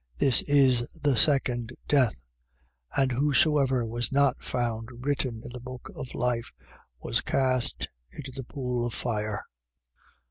This is the second death. 20:15. And whosoever was not found written in the book of life was cast into the pool of fire.